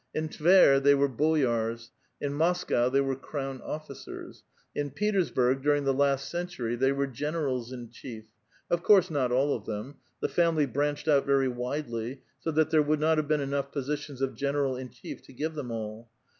In Tver they were boyars; in Moscow they were crown officers ;* in Petersburg, during the last century, they were generals in chief ; of course not all of them : the family ^branched out very widely, so that there would not have been enough positions of general in chief to give them all.